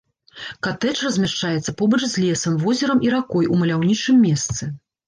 Катэдж размяшчаецца побач з лесам, возерам і ракой у маляўнічым месцы.